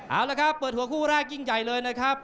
เอาละครับเปิดหัวคู่แรกยิ่งใหญ่เลยนะครับ